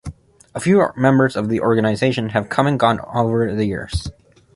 A few members of the organization have come and gone over the years.